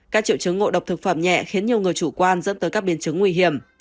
các triệu chứng ngộ độc thực phẩm nhẹ khiến nhiều người chủ quan dẫn tới các biến chứng nguy hiểm